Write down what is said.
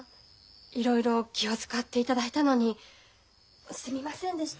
いろいろ気を遣っていただいたのにすみませんでした。